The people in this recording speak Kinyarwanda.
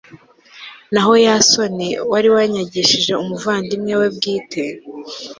naho yasoni wari wanyagishije umuvandimwe we bwite